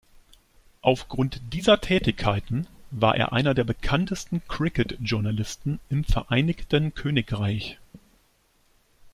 Aufgrund dieser Tätigkeiten war er einer der bekanntesten Cricket-Journalisten im Vereinigten Königreich.